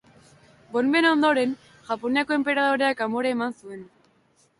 Bonben ondoren, Japoniako enperadoreak amore eman zuen.